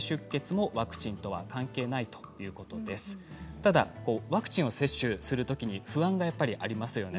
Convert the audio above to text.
ただワクチン接種するときに不安がありますよね。